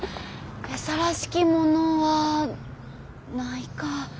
餌らしきものはないか。